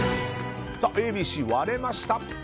Ａ、Ｂ、Ｃ割れました。